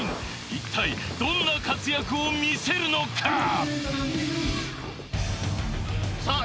一体どんな活躍を見せるのかさあ